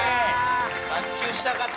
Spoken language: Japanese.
卓球したかったな。